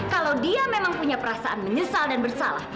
kalau dia memang punya perasaan menyesal dan bersalah